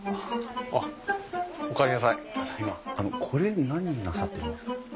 これ何なさってるんですか？